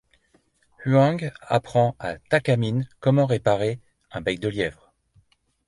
Huang apprend à Takamine comment réparer un bec de lièvre.